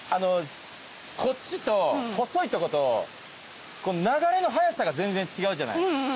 こっちと細いとこと流れの速さが全然違うじゃない。